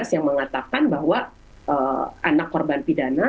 yang mengatakan bahwa anak korban pidana